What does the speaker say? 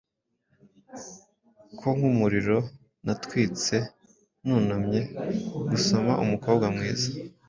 ko nkumuriro natwitse; Nunamye gusoma Umukobwa mwiza,